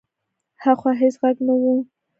هاخوا هېڅ غږ نه و.